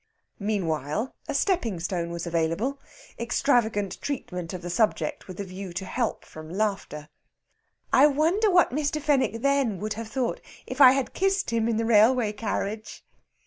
Meanwhile, a stepping stone was available extravagant treatment of the subject with a view to help from laughter. "I wonder what Mr. Fenwick then would have thought if I had kissed him in the railway carriage."